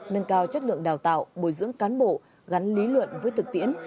nâng cao chất lượng đào tạo bồi dưỡng cán bộ gắn lý luận với thực tiễn